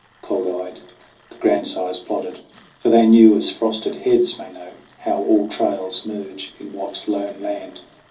Cold eyed the grandsires plodded, for they knew, As frosted heads may know, how all trails merge In what lone land.